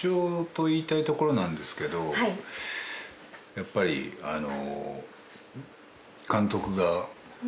「やっぱりあの」